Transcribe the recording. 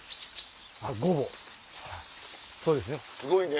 あっそうですね。